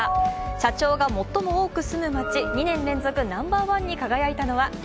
社長が最も多く住む街２年連続ナンバーワンに輝いたのは？